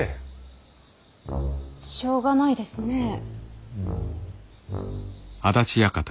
しょうがないですねえ。